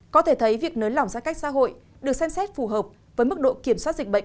có thể thấy việc nới lỏng giãn cách xã hội được xem xét phù hợp với mức độ kiểm soát dịch bệnh